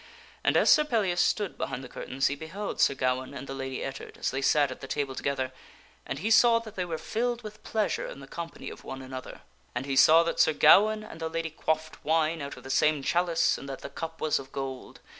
And as Sir Pellias stood behind the curtains, he beheld Sir Gawaine and the Lady Ettard as they sat at the table together, and he saw that they were filled with pleasure in the company of one another. SfJt PELLIAS CONFRONTS SIR GAWAINE 2 6 3 And he saw that Sir Gawaine and the lady quaffed wine out of the same chalice and that the cup was of gold.